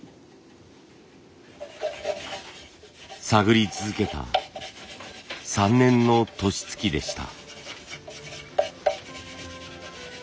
探り続けた３年の年月でした。